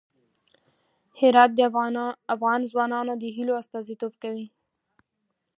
هرات د افغان ځوانانو د هیلو استازیتوب کوي.